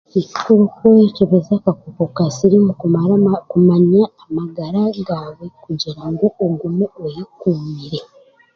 Ni kikuru kwekyebeza akakooko ka siriimu kumanya amagara gaawe kugira ngu ogume oyekuumire.